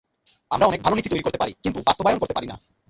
আমরা অনেক ভালো নীতি তৈরি করতে পারি, কিন্তু বাস্তবায়ন করতে পারি না।